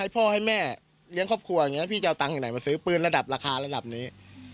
พี่จะเอาคำไรตัวปืนละคาแบบนี้